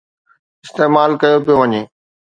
استعمال ڪيو پيو وڃي.